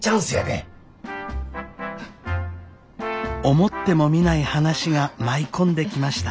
思ってもみない話が舞い込んできました。